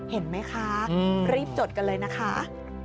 เห็นไหมคะรีบจดกันเลยนะคะ